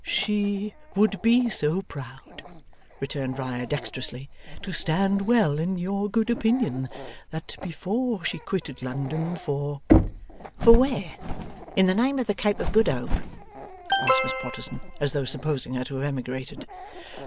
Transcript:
'She would be so proud,' returned Riah, dexterously, 'to stand well in your good opinion, that before she quitted London for ' 'For where, in the name of the Cape of Good Hope?' asked Miss Potterson, as though supposing her to have emigrated.